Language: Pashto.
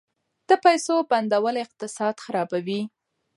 د پیسو بندول اقتصاد خرابوي.